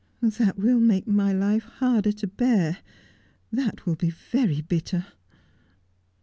' That will make my life harder to bear. That will be very bitter.'